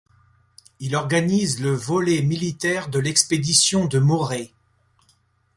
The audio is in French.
Il organise le volet militaire de l'expédition de Morée.